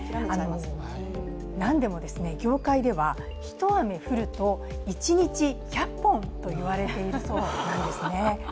なんでも業界では、一雨降ると一日１００本と言われているそうなんですね。